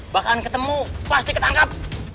bahkan ketemu pasti ketangkap